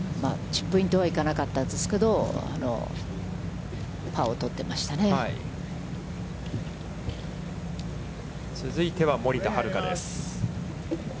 チップインとはいかなかったんですけど、続いては森田遥です。